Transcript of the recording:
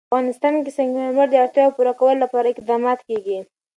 په افغانستان کې د سنگ مرمر د اړتیاوو پوره کولو لپاره اقدامات کېږي.